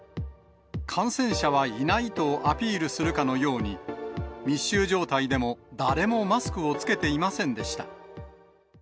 感染者はいないとアピールするかのように、密集状態でも誰もマスクを着けていませんでした。